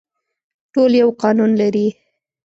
ټول یو قانون لري